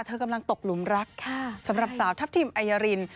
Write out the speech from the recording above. เธอกำลังตกลุมลักษณ์สำหรับเซาทัพทิมอัยยาริน